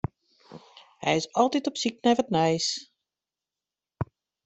Hy is altyd op syk nei wat nijs.